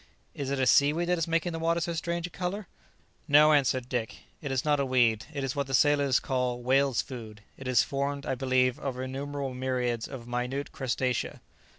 Is it a sea weed that is making the water so strange a colour? "No," answered Dick, "it is not a weed; it is what the sailors call whales' food; it is formed, I believe, of innumerable myriads of minute crustacea."